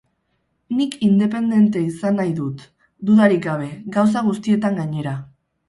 Nik independente izan nahi dut, dudarik gabe, gauza guztietan gainera.